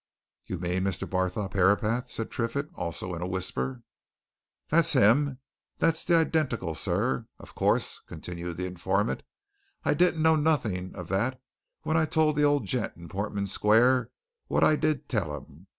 "You mean Mr. Barthorpe Herapath?" said Triffitt, also in a whisper. "That's him that's the identical, sir! Of course," continued the informant, "I didn't know nothing of that when I told the old gent in Portman Square what I did tell him.